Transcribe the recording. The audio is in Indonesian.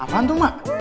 apaan tuh mak